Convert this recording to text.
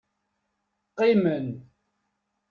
Qqimen.